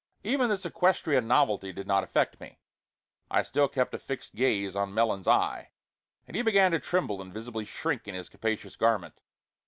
Even this equestrian novelty did not affect me. I still kept a fixed gaze on Melons's eye, and he began to tremble and visibly shrink in his capacious garment.